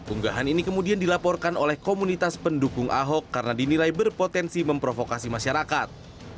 unggahan ini kemudian dilaporkan oleh komunitas pendukung ahok karena dinilai berpotensi memprovokasi masyarakat